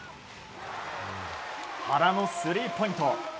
原のスリーポイント。